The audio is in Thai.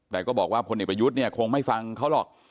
แต่ก็บอกว่าคนเด็กประยุทธ์คงไม่ฟังเขาหรอก